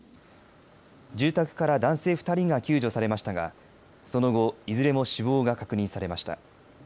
住宅から男性２人が救助されましたがその後いずれも死亡が確認されました。